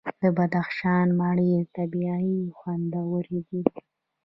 د بدخشان مڼې طبیعي او خوندورې دي.